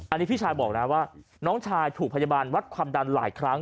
อันนี้พี่ชายบอกนะว่าน้องชายถูกพยาบาลวัดความดันหลายครั้ง